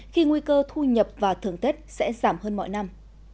khi nguy cơ thu nhập và thưởng tết sẽ giảm hơn mọi năm